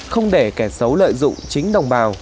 không để kẻ xấu lợi dụng chính đồng bào